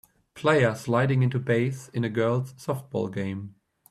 Player sliding into base in a girls softball game.